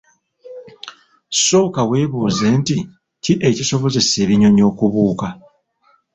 Sooka webuuze nti ki ekisobozesa ebinyonyi okubuuka?